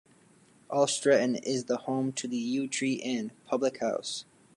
All Stretton is the home to the "Yew Tree Inn" public house.